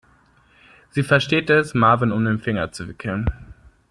Sie versteht es, Marvin um den Finger zu wickeln.